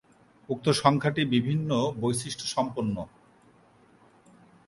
উক্ত সংখ্যাটি বিভিন্ন বৈশিষ্ট্য সম্পন্ন।